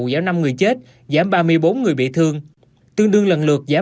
giảm ba mươi năm người chết giảm ba mươi bốn người bị thương tương đương lần lượt giảm một mươi hai ba và một mươi